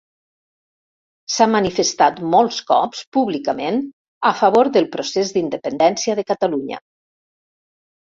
S'ha manifestat molts cops públicament a favor del procés d'independència de Catalunya.